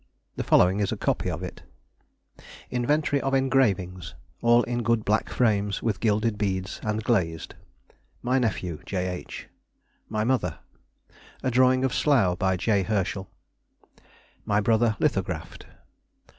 The following is a copy of it:— Inventory of engravings, all in good black frames, with gilded beads, and glazed:— My Nephew, J. H. My Mother. A drawing of Slough, by J. Herschel. My Brother, Lithographed.